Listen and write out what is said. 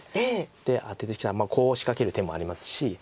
でアテてきたらコウを仕掛ける手もありますし。